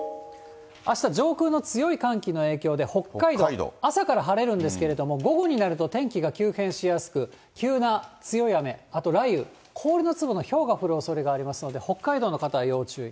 あした上空の強い寒気の影響で北海道、朝から晴れるんですけれども、午後になると天気が急変しやすく、急な強い雨、あと雷雨、氷の粒のひょうが降るおそれがありますので、北海道の方は要注意。